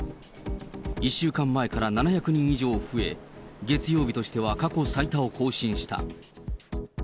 １週間前から７００人以上増え、月曜日としては過去最多を更新した。